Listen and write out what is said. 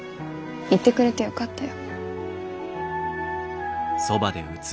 言ってくれてよかったよ。